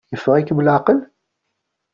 Yeffeɣ-ikem leɛqel?